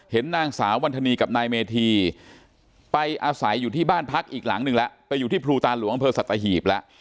เห็นนางสาววรรษณีย์กับนายเมธีไปอาศัยอยู่ที่บ้านพักอีกหลังหนึ่งไปอยู่ที่พลูตรรหลวงะเผอร์สัทธาฮีบแล้ว